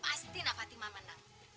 pasti nak fatima menang